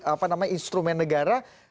apa namanya instrumen negara